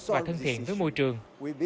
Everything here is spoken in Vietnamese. và thân thiện với môi trường